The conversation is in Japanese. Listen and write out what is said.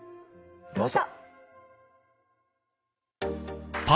どうぞ。